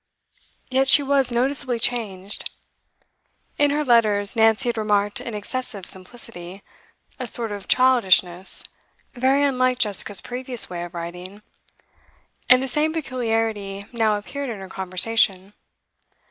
Yet she was noticeably changed. In her letters Nancy had remarked an excessive simplicity, a sort of childishness, very unlike Jessica's previous way of writing; and the same peculiarity now appeared in her conversation.